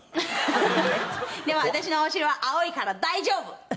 でも私のお尻は青いから大丈夫！